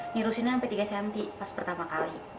nirus ini sampai tiga cm pas pertama kali